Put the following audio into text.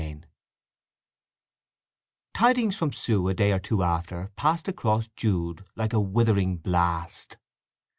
VII Tidings from Sue a day or two after passed across Jude like a withering blast.